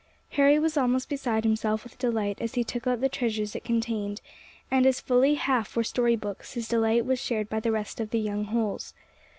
Harry was almost beside himself with delight as he took out the treasures it contained; and as fully half were story books, his delight was shared by the rest of the young Holls.